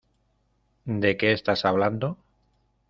¿ De qué estás hablando?